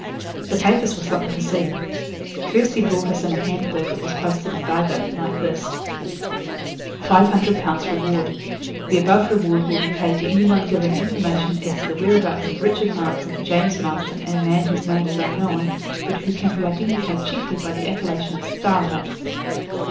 The papers were something to see. First he brought us in a handbill that was posted in Bargo, like this: FIVE HUNDRED POUNDS REWARD. The above reward will be paid to any one giving information as to the whereabouts of Richard Marston, James Marston, and a man whose name is unknown, but who can be identified chiefly by the appellation of Starlight.